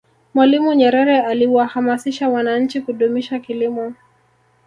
mwalimu nyerere aliwahamasisha wananchi kudumisha kilimo